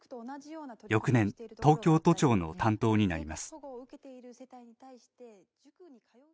翌年、東京都庁の担当になります。